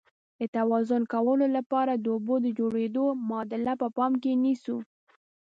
د توازن کولو لپاره د اوبو د جوړیدو معادله په پام کې نیسو.